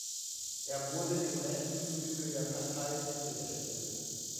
Er wurde dem rechten Flügel der Partei zugerechnet.